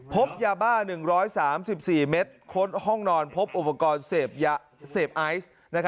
พบยาบ้า๑๓๔เมตรค้นห้องนอนพบอุปกรณ์เสพไอซ์